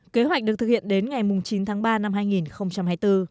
kế hoạch được thực hiện đến ngày chín tháng ba năm hai nghìn hai mươi bốn